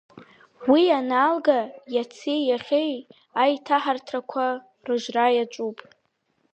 Уи ианалга, иаци иахьеи аиҭаҳарҭақәа рыжра иаҿын.